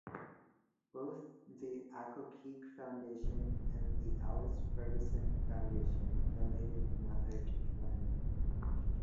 Both the Accokeek Foundation and the Alice Ferguson Foundation donated another to the landmark.